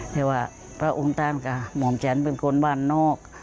เราอ่ะว่าพระองค์ทานค่ะหม่อมแชนเป็นคนบ้านนอก